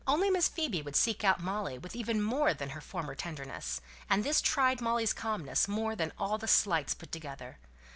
Only Miss Phoebe would seek out Molly with even more than her former tenderness; and this tried Molly's calmness more than all the slights put together.